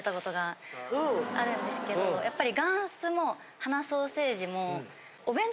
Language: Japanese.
やっぱり。